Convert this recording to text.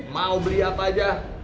mau beli apa aja